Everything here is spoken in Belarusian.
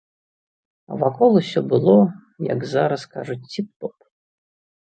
А вакол усё было, як зараз кажуць, ціп-топ.